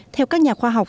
theo các nhà khoa học